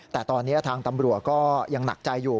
แต่ตอนนี้ทางตำรวจก็ยังหนักใจอยู่